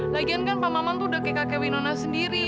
lagian kan pak maman tuh udah ke kakek winona sendiri